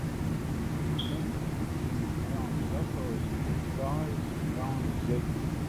Tie katru rītu saņēma jaunus apavus pēc kājas un jaunas zeķes.